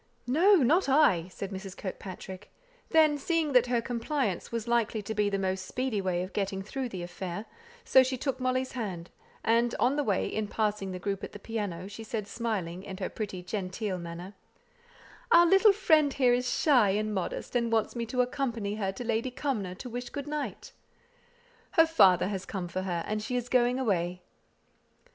"No! not I!" said Mrs. Kirkpatrick, seeing that her compliance was likely to be the most speedy way of getting through the affair; so she took Molly's hand, and, on the way, in passing the group at the piano, she said, smiling, in her pretty genteel manner, "Our little friend here is shy and modest, and wants me to accompany her to Lady Cumnor to wish good night; her father has come for her, and she is going away."